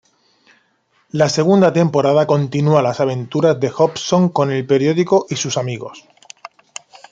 La segunda temporada continúa las aventuras de Hobson con el periódico y sus amigos.